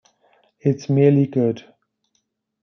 It's merely good.